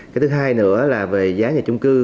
cái thứ hai nữa là về giá nhà chung cư